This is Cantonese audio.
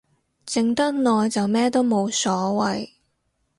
靜得耐就咩都冇所謂